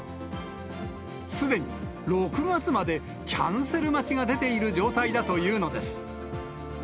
すでに６月までキャンセル待ちが出ている状態だというのです。